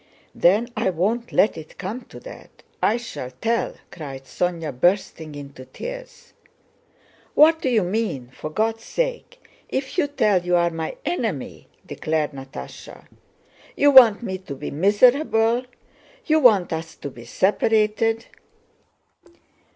"Then I won't let it come to that... I shall tell!" cried Sónya, bursting into tears. "What do you mean? For God's sake... If you tell, you are my enemy!" declared Natásha. "You want me to be miserable, you want us to be separated...."